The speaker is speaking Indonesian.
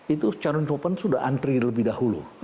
itu charun sopan sudah antri lebih dahulu